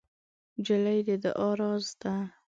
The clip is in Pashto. نجلۍ د دعا راز ده.